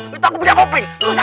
lu tau gua pengerti